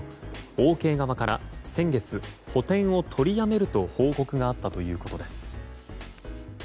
オーケー側から先月、補填を取りやめると報告があったということです。